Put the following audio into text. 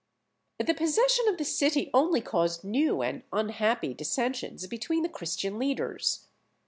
The possession of the city only caused new and unhappy dissensions between the Christian leaders.